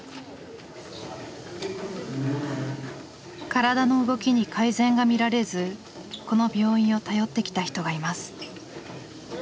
体の動きに改善が見られずこの病院を頼ってきた人がいます。